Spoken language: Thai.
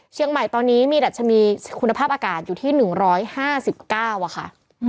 เชียงใหม่ตอนนี้มีดัชนีคุณภาพอากาศอยู่ที่๑๕๙ค่ะ